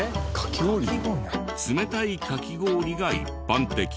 冷たいかき氷が一般的。